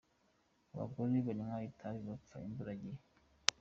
Abagore banywa itabi bapfa imburagihe